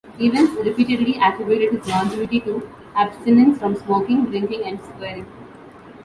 Evans repeatedly attributed his longevity to abstinence from smoking, drinking and swearing.